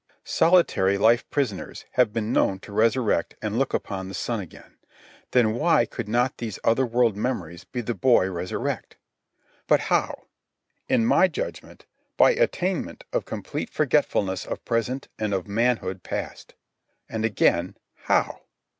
Solitary life prisoners have been known to resurrect and look upon the sun again. Then why could not these other world memories of the boy resurrect? But how? In my judgment, by attainment of complete forgetfulness of present and of manhood past. And again, how?